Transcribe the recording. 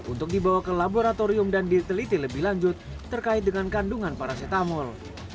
untuk dibawa ke laboratorium dan diteliti lebih lanjut terkait dengan kandungan paracetamol